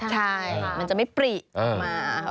ใช่มันจะไม่ปริออกมา